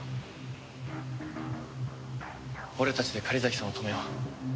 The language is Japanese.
俺たちで狩崎さんを止めよう。